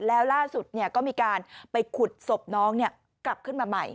แล้วล่าสุดก็มีการไปขุดศพน้องกลับขึ้นมาใหม่